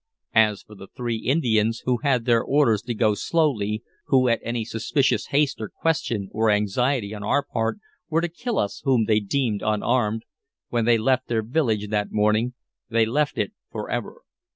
As for the three Indians, who had their orders to go slowly, who at any suspicious haste or question or anxiety on our part were to kill us whom they deemed unarmed, when they left their village that morning, they left it forever.